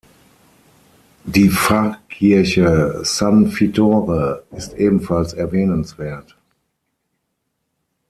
Die Pfarrkirche San Vittore ist ebenfalls erwähnenswert.